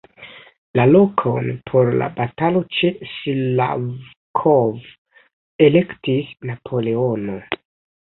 La lokon por la batalo ĉe Slavkov elektis Napoleono.